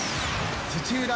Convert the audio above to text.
土浦